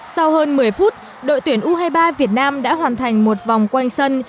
sau hơn một mươi phút đội tuyển u hai mươi ba việt nam đã hoàn thành một vòng quanh sân